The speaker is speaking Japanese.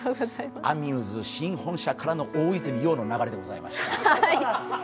アミューズ新本社からの大泉洋の流れでした。